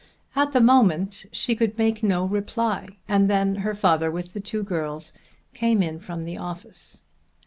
At the moment she could make no reply, and then her father with the two girls came in from the office.